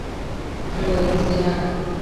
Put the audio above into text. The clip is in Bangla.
আমি বলে দিচ্ছি হ্যাঁঁ।